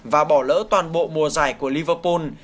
và bỏ lỡ toàn bộ mùa giải của liverpool